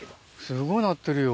すごいなってるよ。